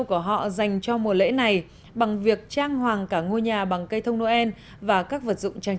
của họ dành cho mùa lễ này bằng việc trang hoàng cả ngôi nhà bằng cây thông noel và các vật dụng trang